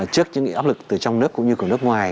trước những áp lực từ trong nước cũng như của nước ngoài